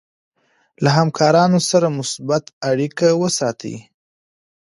له همکارانو سره مثبت اړیکه وساتئ.